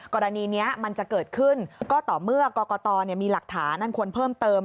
กรณีนี้มันจะเกิดขึ้นก็ต่อเมื่อกรกตมีหลักฐานอันควรเพิ่มเติม